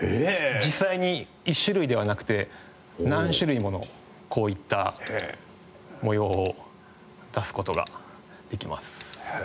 実際に１種類ではなくて何種類ものこういった模様を出す事ができます。